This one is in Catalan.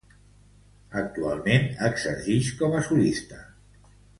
Actualment exercix com a solista.